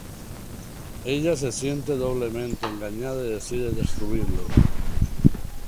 Ella se siente doblemente engañada y decide destruirlo.